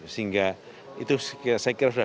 sehingga itu saya kira sudah